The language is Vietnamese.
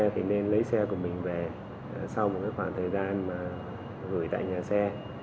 thì nên lấy xe của mình về sau một khoảng thời gian mà gửi tại nhà xe